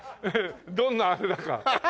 どんなふうだか。